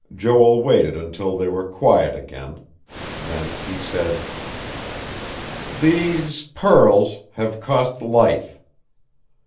Joel waited until they were quiet again; then he said: "These pearls have cost life.